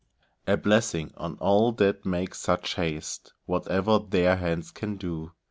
A blessing on all that make such haste, Whatever their hands can do!